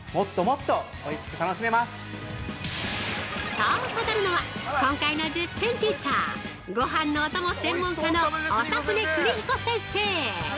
◆そう語るのは、今回の１０分ティーチャーごはんのお供専門家の長船クニヒコ先生。